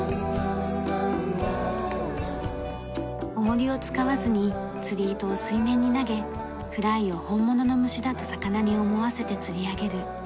重りを使わずに釣り糸を水面に投げフライを本物の虫だと魚に思わせて釣り上げる。